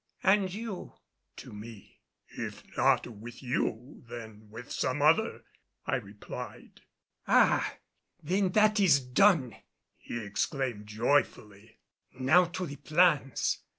"And you?" to me. "If not with you, then with some other," I replied. "Ah! Then that is done," he exclaimed joyfully. "Now to the plans.